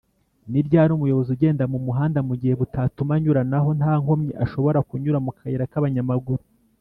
Niryari umuyobozi ugenda mumuhanda mugihe butatuma anyura naho ntankomyi ashobora kunyura mukayira k’abanyamaguru